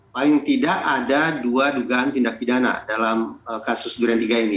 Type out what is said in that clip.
paling tidak ada dua dugaan tindak pidana dalam kasus durian tiga ini